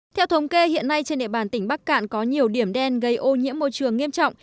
theo thống kê hiện nay trên địa bàn tỉnh bắc cạn có nhiều điểm đen gây ô nhiễm môi trường nghiêm trọng